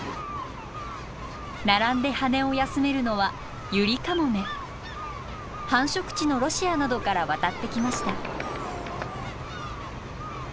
並んで羽を休めるのは繁殖地のロシアなどから渡ってきました。